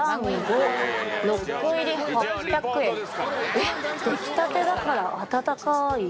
えっ「出来たてだからあたたかーい」。